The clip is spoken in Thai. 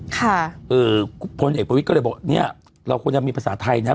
ค่ะเอ่อพลเอกประวิทย์ก็เลยบอกเนี้ยเราควรจะมีภาษาไทยนะ